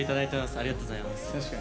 ありがとうございます。